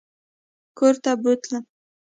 کورته بوتلم.